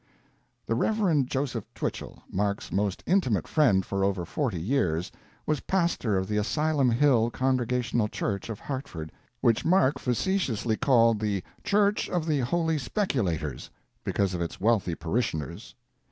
The Rev. Joseph Twichell, Mark's most intimate friend for over forty years, was pastor of the Asylum Hill Congregational Church of Hartford, which Mark facetiously called the "Church of the Holy Speculators," because of its wealthy parishioners.